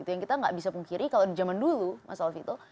yang kita tidak bisa pungkiri kalau di zaman dulu mas alvi itu